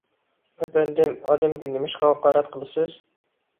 ئەپەندىم، ئادەمگە نېمىشقا ھاقارەت قىلىسىز؟